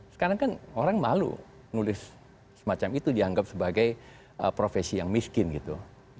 sekarang kan orang malu nulis semacam itu dianggap sebagai profesi yang miskin gitu